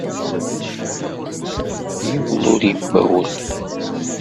Yiwen ur yembawel.